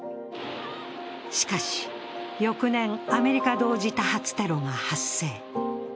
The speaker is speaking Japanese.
しかし翌年、アメリカ同時多発テロが発生。